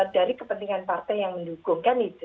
dari kepentingan partai yang mendukung kan itu